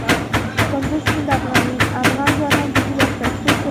کندز سیند د افغان ځوانانو د هیلو استازیتوب کوي.